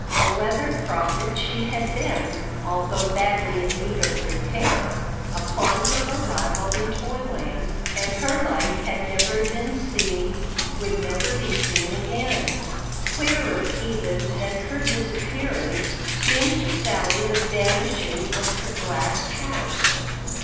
A weather prophet she had been, although badly in need of repair, upon her arrival in Toyland, and her like had never been seen, would never be seen again. Queerer even than her disappearance seemed to Sally the vanishing of her glass house.